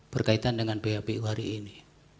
berkaitan dengan bapu hari ini